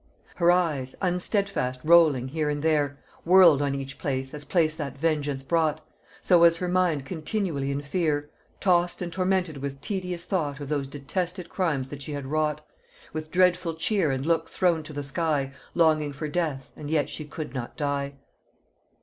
Her eyes, unsteadfast rolling here and there, Whirled on each place as place that vengeance brought, So was her mind continually in fear, Tossed and tormented with tedious thought Of those detested crimes that she had wrought: With dreadful cheer and looks thrown to the sky, Longing for death, and yet she could not die.